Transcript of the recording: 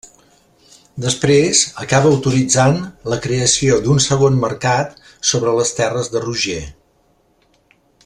Després, acaba autoritzant la creació d'un segon mercat sobre les terres de Roger.